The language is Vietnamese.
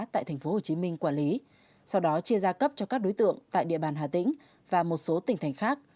tại tp hcm quản lý sau đó chia ra cấp cho các đối tượng tại địa bàn hà tĩnh và một số tỉnh thành khác